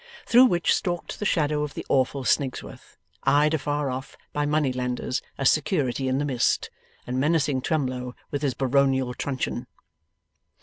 Through which stalked the shadow of the awful Snigsworth, eyed afar off by money lenders as Security in the Mist, and menacing Twemlow with his baronial truncheon.